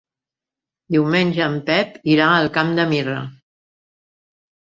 Diumenge en Pep irà al Camp de Mirra.